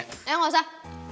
eh gak usah